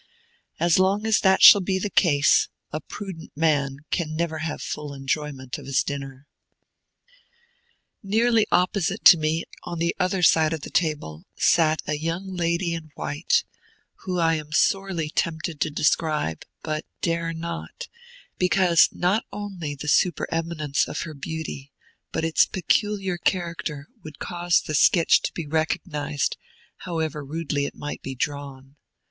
As long as that shall be the case, a prudent man can never have full enjoyment of his dinner. Nearly opposite to me, on the other side of the table, sat a young lady in white, whom I am sorely tempted to describe, but dare not, because not only the supereminence of her beauty, but its peculiar character, would cause the sketch to be recognized, however rudely it might be drawn.